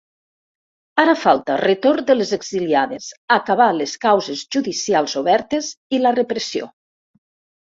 Ara falta retorn de les exiliades, acabar les causes judicials obertes i la repressió.